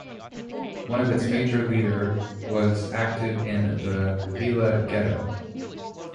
One of its major leader was active in the Vila Ghetto.